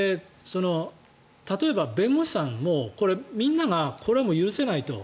例えば、弁護士さんもみんながこれはもう許せないと。